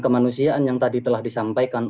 kemanusiaan yang tadi telah disampaikan